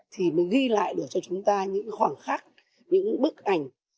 thì mới ghi lại được cho chúng ta những khoảng khắc những bức ảnh